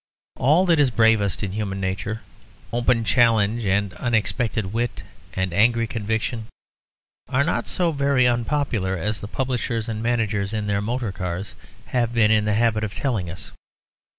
All that is bravest in human nature, open challenge and unexpected wit and angry conviction, are not so very unpopular as the publishers and managers in their motor cars have been in the habit of telling us.